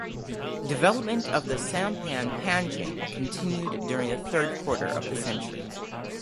Development of the sampan panjang continued during the third quarter of the century.